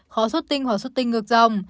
khó xuất tinh hoặc xuất tinh ngược dòng